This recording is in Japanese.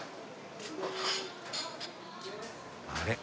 あれ？